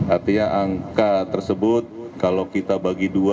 artinya angka tersebut kalau kita bagi dua